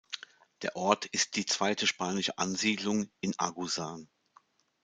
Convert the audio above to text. Der Ort ist die zweite spanische Ansiedlung in Agusan.